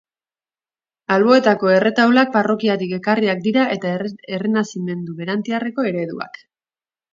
Alboetako erretaulak parrokiatik ekarriak dira eta errenazimendu berantiarreko ereduak.